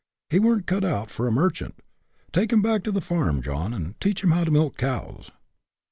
He weren't cut out for a merchant. Take him back to the farm, John, and teach him how to milk cows